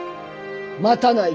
待たない。